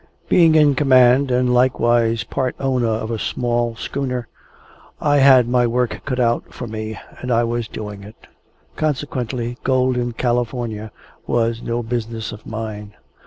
Being in command and likewise part owner of a smart schooner, I had my work cut out for me, and I was doing it. Consequently, gold in California was no business of mine.